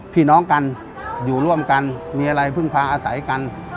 พี่น้องกันอยู่ร่วมกันมีอะไรพึ่งพาอาศัยกัน